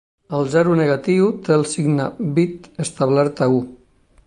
El zero negatiu té el signe bit establert a u.